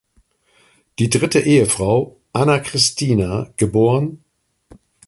Die dritte Ehefrau, Anna Christina geb.